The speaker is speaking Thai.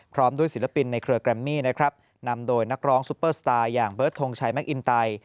พร้อมด้วยศิลปินในเครือแกรมมี่นะครับนำโดยนักร้องซุปเปอร์สตาร์อย่างเบิร์ดทงชัยแมคอินไต